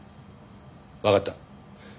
わかった。